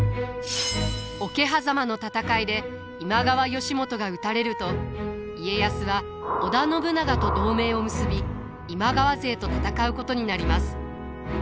桶狭間の戦いで今川義元が討たれると家康は織田信長と同盟を結び今川勢と戦うことになります。